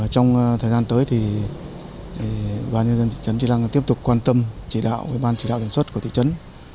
trong thời gian tới thì bà nhân dân thị trấn tri lăng tiếp tục quan tâm chỉ đạo và ban chỉ đạo đoàn xuất của thị trấn